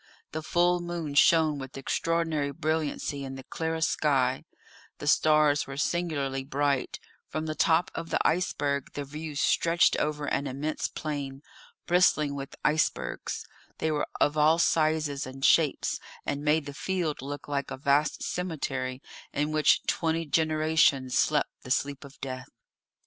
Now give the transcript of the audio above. The full moon shone with extraordinary brilliancy in the clearest sky; the stars were singularly bright; from the top of the iceberg the view stretched over an immense plain, bristling with icebergs; they were of all sizes and shapes, and made the field look like a vast cemetery, in which twenty generations slept the sleep of death.